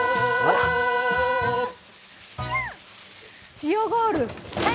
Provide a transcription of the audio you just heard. チアガール！